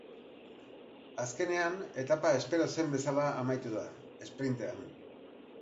Azkenean, etapa espero zen bezala amaitu da, esprintean.